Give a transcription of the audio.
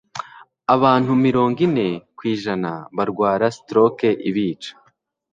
abantu mirongo ine kw'ijana barwara Stroke ibica,